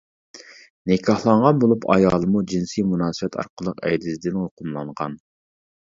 نىكاھلانغان بولۇپ، ئايالىمۇ جىنسىي مۇناسىۋەت ئارقىلىق ئەيدىزدىن يۇقۇملانغان.